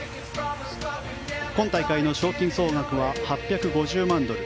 今大会の賞金総額は８５０万ドル